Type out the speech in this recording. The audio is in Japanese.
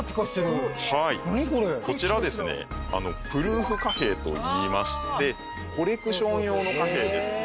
こちらはですねプルーフ貨幣といいましてコレクション用の貨幣です。